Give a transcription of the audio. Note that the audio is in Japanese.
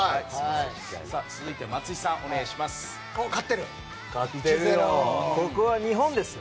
続いて、松井さんお願いします。